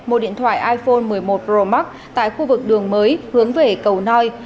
một điện thoại iphone một mươi một pro max tại khu vực đường mới hướng về cầu noi